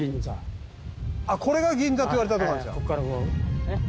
あっこれが銀座といわれたとこなんですか。